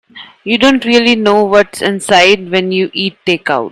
You don't really know what's inside when you eat takeouts.